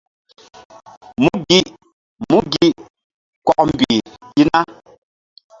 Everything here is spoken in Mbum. Mú gi! Mú gi! Kɔkmbih i na.